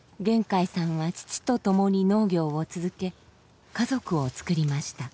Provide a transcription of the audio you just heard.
開さんは父と共に農業を続け家族を作りました。